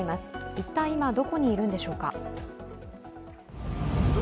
一体、今どこにいるんでしょうか。